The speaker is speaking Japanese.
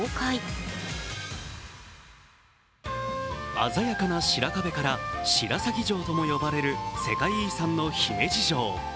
鮮やかな白壁から白鷺城とも呼ばれる世界遺産の姫路城。